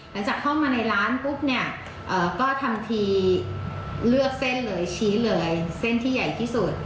หลังจากเข้ามาในร้านปุ๊บเนี่ยก็ทำทีเลือกเส้นเลยชี้เลยเส้นที่ใหญ่ที่สุด